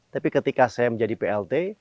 tapi ketika saya menjadi plt